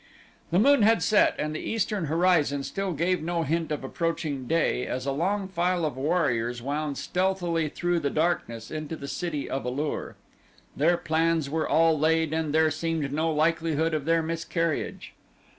The moon had set and the eastern horizon still gave no hint of approaching day as a long file of warriors wound stealthily through the darkness into the city of A lur. Their plans were all laid and there seemed no likelihood of their miscarriage.